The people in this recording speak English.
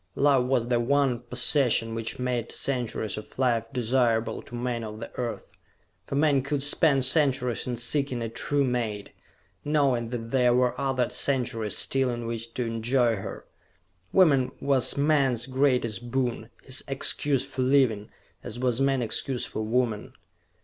Love was the one possession which made centuries of life desirable to men of the Earth. For men could spend centuries in seeking a true mate, knowing that there were other centuries still in which to enjoy her. Woman was man's greatest boon, his excuse for living, as was man excuse for woman.